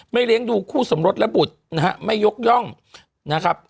เลี้ยงดูคู่สมรสและบุตรนะฮะไม่ยกย่องนะครับ